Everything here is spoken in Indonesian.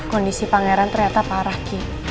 kondisi pangeran ternyata parah